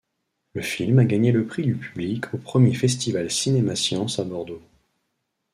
Le film a gagné le prix du Public au premier Festival CinémaScience à Bordeaux.